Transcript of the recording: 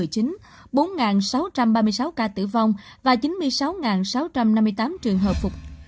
bốn sáu trăm ba mươi sáu ca tử vong và chín mươi sáu sáu trăm năm mươi tám trường hợp phục